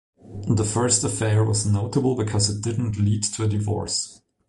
The first affair was notable because it did not lead to a divorce.